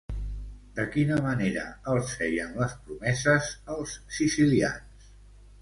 De quina manera els feien les promeses els sicilians?